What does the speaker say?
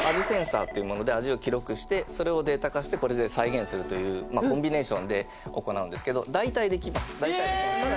センサーっていうもので味を記録してそれをデータ化してこれで再現するというコンビネーションで行うんですけどえっ！？